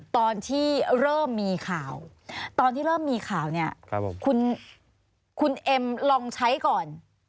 ตอนที่เริ่มมีข่าวตอนที่เริ่มมีข่าวเนี่ยคุณเอ็มลองใช้ก่อน